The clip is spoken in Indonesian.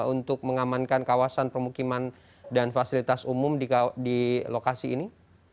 untuk mengamankan kawasan permukiman dan fasilitas umum di lokasi ini